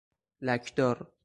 لکدار